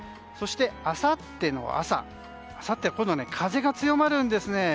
そして、あさっての朝あさって今度は風が強まるんですね。